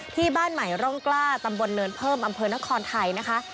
ที่บ้านใหม่ร่องกล้าตำบลเนินเพิ่มอำเภอนครไทยนะคะ